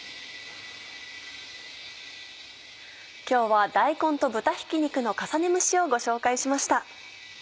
今日は「大根と豚ひき肉の重ね蒸し」をご紹介しました。